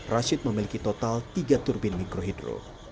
rashid memiliki total tiga turbin mikrohidro